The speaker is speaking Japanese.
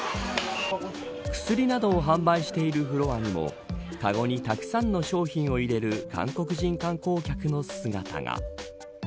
薬などを販売しているフロアにもかごにたくさんの商品を入れる韓国人観光客の姿が。